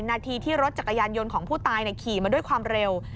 นาทีที่รถจักรยานยนต์ของผู้ตายขี่มาด้วยความเร็ว